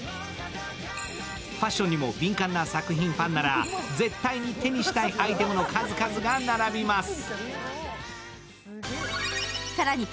ファッションにも敏感な作品ファンなら絶対に手にしたいアイテムの数々が並びます。